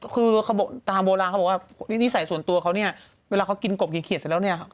คือตามโบราณเขาบอกว่านิสัยส่วนตัวเวลาเขากินกรบกินเขียดเสร็จแล้ว